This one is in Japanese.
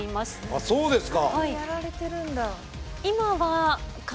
あっそうですか。